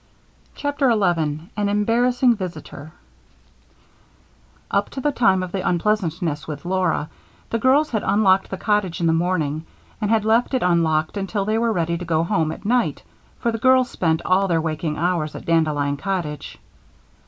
CHAPTER 11 An Embarrassing Visitor Up to the time of the unpleasantness with Laura, the girls had unlocked the cottage in the morning and had left it unlocked until they were ready to go home at night, for the girls spent all their waking hours at Dandelion Cottage.